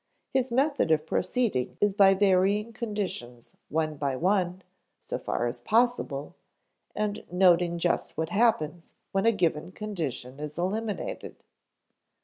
His method of proceeding is by varying conditions one by one so far as possible, and noting just what happens when a given condition is eliminated.